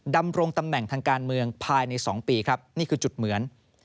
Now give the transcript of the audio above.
ดำรงตำแหน่งทางการเมืองภายใน๒ปีครับนี่คือจุดเหมือน